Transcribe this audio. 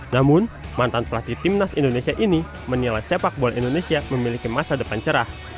namun mantan pelatih timnas indonesia ini menilai sepak bola indonesia memiliki masa depan cerah